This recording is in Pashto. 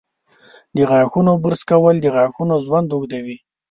د غاښونو برش کول د غاښونو ژوند اوږدوي.